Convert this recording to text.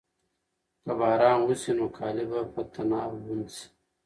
که باران وشي نو کالي به په طناب لوند شي.